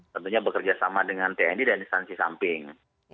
tentunya bekerjasama dengan tnd dan instansi samping